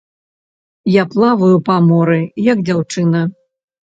Я плаваю па моры, як дзяўчына.